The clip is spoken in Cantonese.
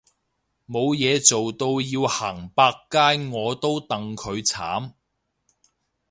冇嘢做到要行百佳我都戥佢慘